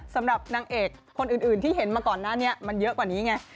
สำหรับนางเอกคนอื่นที่เห็นมาก่อนหน้านี้มันเยอะกว่านี้ไง